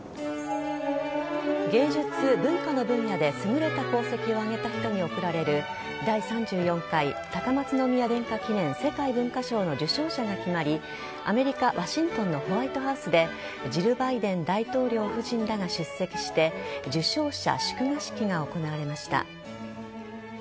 芸術・文化の分野で優れた功績を挙げた人に贈られる第３４回高松宮殿下記念世界文化賞の受賞者決がまりアメリカ・ワシントンのホワイトハウスでジル・バイデン大統領夫人らが出席して受賞者祝賀式が行われました。